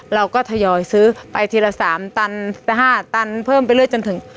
เราก็ทยอยซื้อไปทีละ๓ตัน๕ตันเพิ่มไปเรื่อยจนถึง